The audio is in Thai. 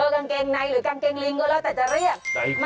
กางเกงในหรือกางเกงลิงก็แล้วแต่จะเรียก